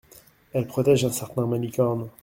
Elle protège un certain Malicorne.